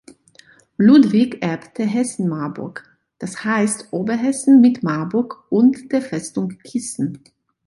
Ludwig erbte Hessen-Marburg, das heißt Oberhessen mit Marburg und der Festung Gießen.